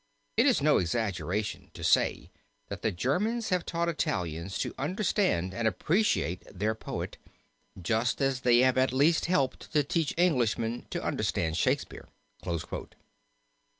It is no exaggeration to say that the Germans have taught Italians to understand and appreciate their own poet, just as they have at least helped to teach Englishmen to understand Shakespeare."